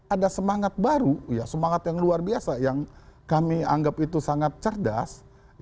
ada semangat baru semangat yang luar biasa yang kami anggap itu sangat cerdas